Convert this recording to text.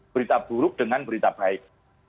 berita buruk dengan berita baik